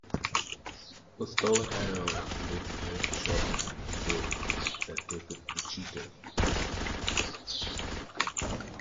With bow and arrow the veterinarian shot a needle that deafened the cheetah.